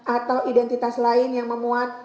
atau identitas lain yang memuat